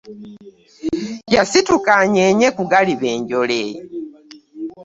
Yasituka anyenye ku galiba enjole .